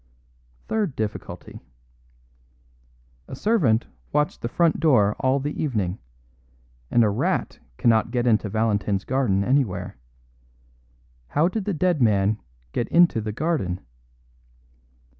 Third difficulty: A servant watched the front door all the evening; and a rat cannot get into Valentin's garden anywhere. How did the dead man get into the garden?